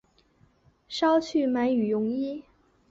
绕去买羽绒衣